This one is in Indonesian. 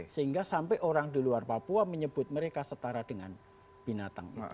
sehingga sampai orang di luar papua menyebut mereka setara dengan binatang